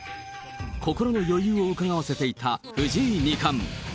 心の余裕をうかがわせていた藤井二冠。